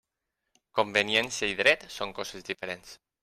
Conveniència i dret són coses diferents.